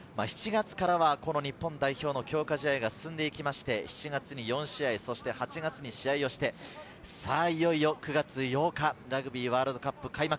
７月から日本代表の強化試合が進んでいきまして、７月に４試合、８月にも試合をして、いよいよ９月８日、ラグビーワールドカップ開幕。